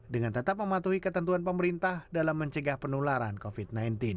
dengan tetap mematuhi ketentuan pemerintah dalam mencegah penularan covid sembilan belas